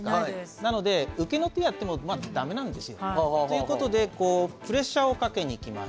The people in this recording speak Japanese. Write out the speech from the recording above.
なので受けの手やっても駄目なんですよ。ということでプレッシャーをかけにいきました。